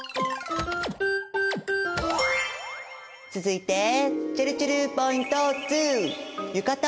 続いてちぇるちぇるポイント２。